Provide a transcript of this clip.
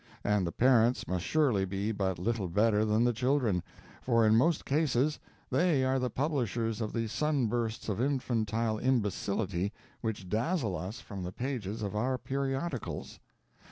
And the parents must surely be but little better than the children, for in most cases they are the publishers of the sunbursts of infantile imbecility which dazzle us from the pages of our periodicals.